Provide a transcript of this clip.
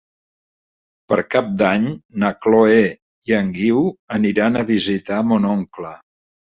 Per Cap d'Any na Chloé i en Guiu aniran a visitar mon oncle.